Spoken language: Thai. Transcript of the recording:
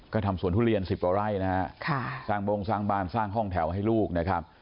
ก็ทำสวนทุเรียน๑๐กว่าไร่นะฮะสร้างบงสร้างบ้านสร้างห้องแถวให้ลูกนะครับ